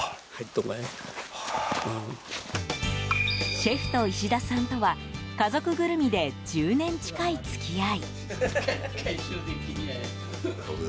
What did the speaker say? シェフと石田さんとは家族ぐるみで１０年近い付き合い。